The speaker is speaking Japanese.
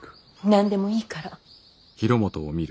何でもいいから。